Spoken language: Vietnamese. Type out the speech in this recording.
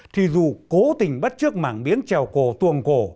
thì dù cố tình bắt trước mảng biến trèo cổ tuồng cổ